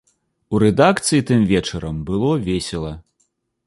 У рэдакцыі тым вечарам было весела.